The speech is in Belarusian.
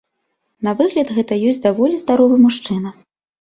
На выгляд гэта ёсць даволі здаровы мужчына.